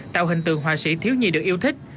tạo hình tượng họa sĩ thiếu nhi được yêu thích